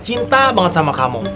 cinta banget sama kamu